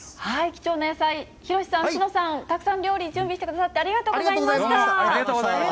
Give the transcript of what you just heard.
貴重な野菜、清志さん、しのさん、たくさん料理、準備してくださってありがとうございま